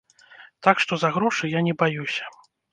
Так што, за грошы я не баюся.